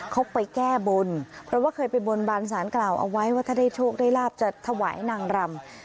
เขาไปแก้บนเพราะว่าเคยไปบนบานสารกล่าวเอาไว้ว่าถ้าได้โชคได้ลาบจะถวายนางรำ